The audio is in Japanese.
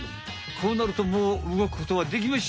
こうなるともう動くことはできましぇん！